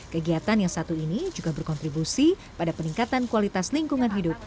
kegiatan yang satu ini juga berkontribusi pada peningkatan kualitas lingkungan hidup